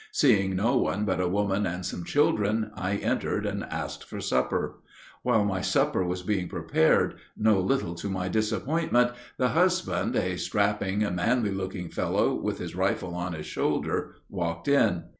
Seeing no one but a woman and some children, I entered and asked for supper. While my supper was being prepared, no little to my disappointment, the husband, a strapping, manly looking fellow, with his rifle on his shoulder, walked in.